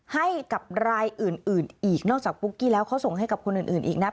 ให้กับรายอื่นอีกนอกจากปุ๊กกี้แล้วเขาส่งให้กับคนอื่นอีกนะ